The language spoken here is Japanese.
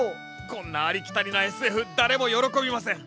こんなありきたりなＳＦ誰も喜びません。